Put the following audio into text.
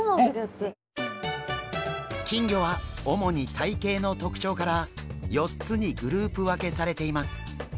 金魚は主に体形の特徴から４つにグループ分けされています。